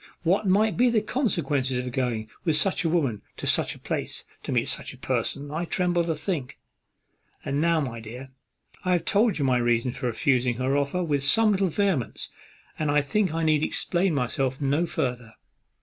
What might be the consequence of going with such a woman to such a place, to meet such a person, I tremble to think. And now, my dear, I have told you my reason of refusing her offer with some little vehemence, and I think I need explain myself no farther."